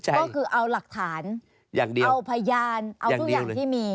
ก็คือเอาหลักฐานเอาพยานเอาทุกอย่างที่มี